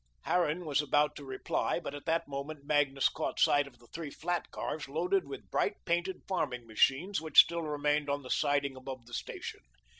Harran was about to reply, but at that moment Magnus caught sight of the three flat cars loaded with bright painted farming machines which still remained on the siding above the station.